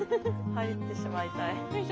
入ってしまいたい。